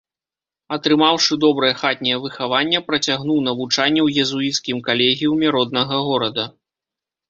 Атрымаўшы добрае хатняе выхаванне, працягнуў навучанне ў езуіцкім калегіуме роднага горада.